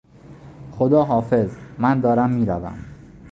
خداحافظ! من دارم میروم.